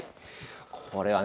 これはね